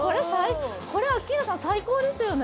これアッキーナさん最高ですよね？